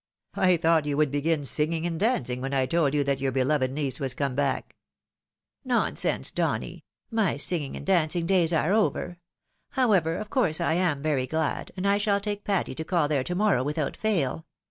" I thought you would begin singing and dancing when I told you that your beloved niece was come back !"" Nonsense, Donny ! my singing and dancing days are over ; however, of course I am very glad, and I shall take Patty to call there to morrow without fail.